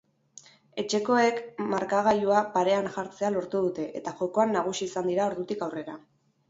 Etxekoek markagailua parean jartzea lortu dute eta jokoan nagusi izan dira ordutik aurrera.